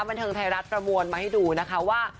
บันเทิงไทยรัฐประมวลมาให้ดูนะคะว่า